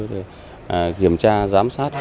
để kiểm tra giám sát